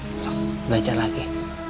besok belajar lagi